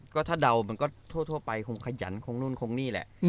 ก็ถ้าเดามันก็ทั่วไปคงขยันคงนู่นคงนี่แหละ